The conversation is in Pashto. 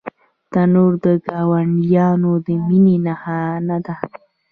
تنور د ګاونډیانو د مینې نښانه ده